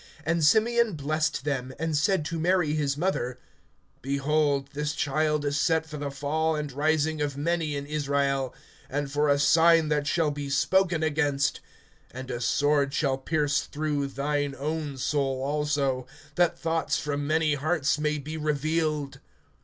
(34)And Simeon blessed them, and said to Mary his mother: Behold, this child is set for the fall and rising of many in Israel, and for a sign that shall be spoken against, (35)(and a sword shall pierce through thine own soul also), that thoughts from many hearts may be revealed.